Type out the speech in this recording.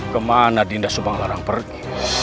kemana dinda subanglar pergi